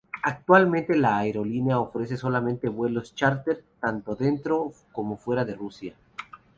Actualmente la aerolínea ofrece solamente vuelos chárter, tanto dentro como fuera de Rusia.